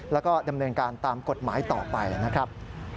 แล้วก็ดำเนินการตามกฎหมายต่อไปนะครับ